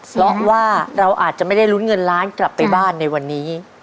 เพราะว่าเราอาจจะไม่ได้ลุ้นเงินล้านกลับไปบ้านในวันนี้